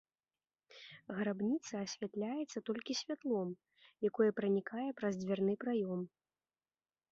Грабніца асвятляецца толькі святлом, якое пранікае праз дзвярны праём.